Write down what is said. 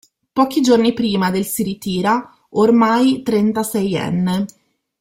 Pochi giorni prima del si ritira, ormai trentaseienne.